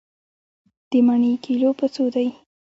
د مڼې کيلو په څو دی؟